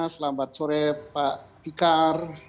selamat sore pak fikar